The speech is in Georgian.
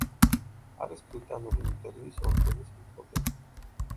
არის ბრიტანული იმპერიის ორდენის მფლობელი.